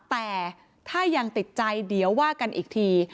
แต่ถ้ายังติดใจเดี๋ยวว่ากันอีกที